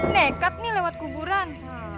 nekat nih lewat kuburan